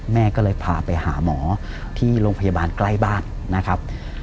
แม่ก็เลยพาไปหาหมอที่โรงพยาบาลใกล้บ้านนะครับ